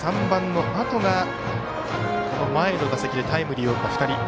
３番のあとがこの前の打席でタイムリーを打った２人。